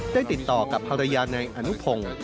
ได้ติดต่อกับภรรยาในอนุพงศ์